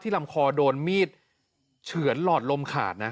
ลำคอโดนมีดเฉือนหลอดลมขาดนะ